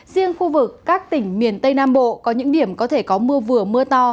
riêng khu vực các tỉnh miền tây nam bộ có những điểm có thể có mưa vừa mưa to